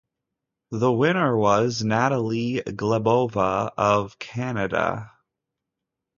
The winner was Natalie Glebova of Canada.